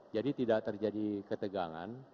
jadi tidak terjadi ketegangan